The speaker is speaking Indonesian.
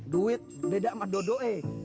duit beda sama dodo e